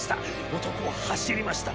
男は走りました。